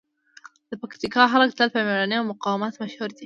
د پکتیکا خلک تل په مېړانې او مقاومت مشهور دي.